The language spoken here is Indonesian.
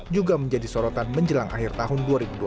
juga menjadi sorotan menjelang akhir tahun dua ribu dua puluh